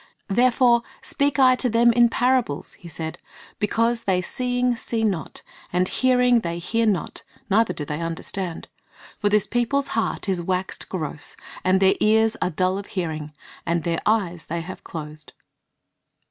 "Therefore speak I to them in parables," He said; "because they seeing see not; and hearing they hear not, neither do they understand. For this people's heart is waxed gross, and their ears are dull of hearing, and their eyes they have closed."